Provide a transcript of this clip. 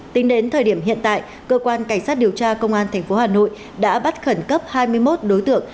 tính đến thời điểm hiện tại cơ quan cảnh sát điều tra công an tp hà nội đã bắt khẩn cấp hai mươi một đối tượng